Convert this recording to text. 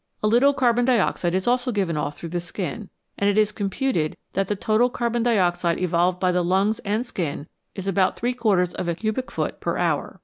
A little carbon dioxide is also given off through the skin, and it is com puted that the total carbon dioxide evolved by the lungs and skin is about three quarters of a cubic foot per hour.